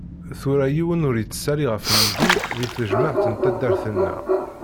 Tura yiwen ur "yettṣelli ɣef Nnbi" deg tejmaɛt n taddart-nneɣ.